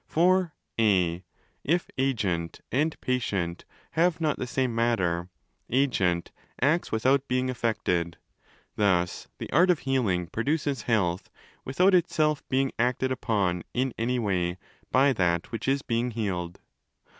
For (a) ifagent and patient have not the same matter, agent acts without being affected: thus the art of healing produces health without itself being acted upon in any way by that which is being healed.